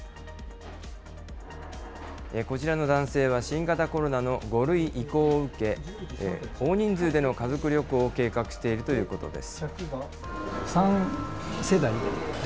こちらの男性は新型コロナの５類移行を受け、大人数での家族旅行を計画しているということです。